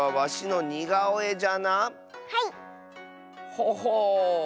ほほう。